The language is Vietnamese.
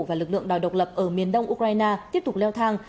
và lực lượng đòi độc lập ở miền đông ukraine tiếp tục leo thang